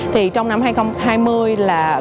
thì trong năm hai nghìn hai mươi là